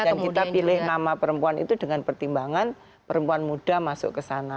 dan kita pilih nama perempuan itu dengan pertimbangan perempuan muda masuk ke sana